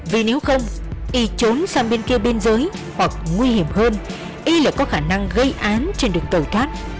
vì nếu không y trốn sang bên kia bên giới hoặc nguy hiểm hơn y là có khả năng gây án trên đường tẩu thoát